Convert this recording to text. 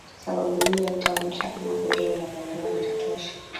sababu hiyo haitaonyesha kama kundi linalolengwa linatosha